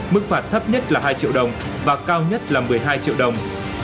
mức phạt thấp nhất là hai triệu đồng và cao nhất là một mươi hai triệu đồng